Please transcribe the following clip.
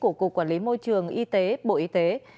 của cục quản lý môi trường y tế bộ y tế